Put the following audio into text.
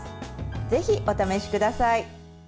ぜひお試しください。